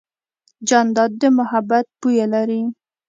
جانداد د محبت بویه لري.